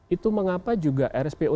itu mengapa juga rspo